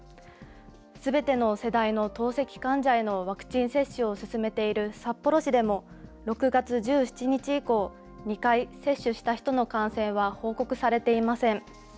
すべての世代の透析患者へのワクチン接種を進めている札幌市でも、６月１７日以降、２回接種した人の感染は報告されていません。